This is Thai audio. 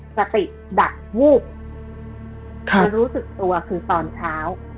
สติดักวูบจะรู้สึกตัวคือตอนเช้า